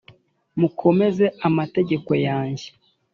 mukomeze amategeko yanjye